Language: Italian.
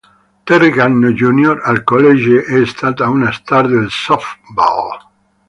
Terry Gannon Jr., al college, è stata una star del softball.